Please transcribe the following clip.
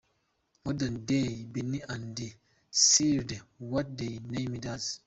Modern day Bonnie and Clyde what they named us.